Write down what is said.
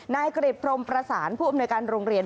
นายกริจพรมประสานผู้อำนวยการโรงเรียน